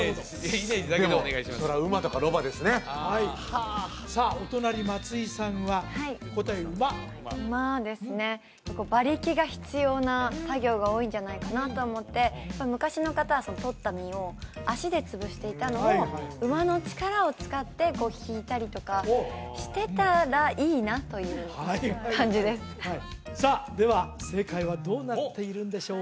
そりゃ馬とかロバですねさあお隣松井さんはお答え馬馬ですね馬力が必要な作業が多いんじゃないかなと思って昔の方はとった実を足で潰していたのを馬の力を使ってひいたりとかしてたらいいなという感じですさあでは正解はどうなっているんでしょう？